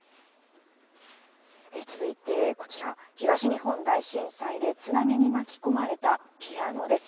続いてこちら、東日本大震災で津波に巻き込まれたピアノです。